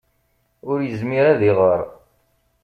Ur yezmir ad iɣeṛ.